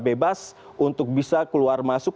bebas untuk bisa keluar masuk